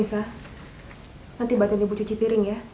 anissa nanti bantuan ibu cuci piring ya